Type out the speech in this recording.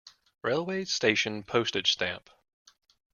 Railway station Postage stamp.